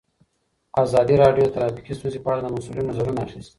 ازادي راډیو د ټرافیکي ستونزې په اړه د مسؤلینو نظرونه اخیستي.